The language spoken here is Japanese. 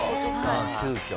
急きょ。